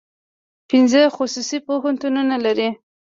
پنځه خصوصي پوهنتونونه لري.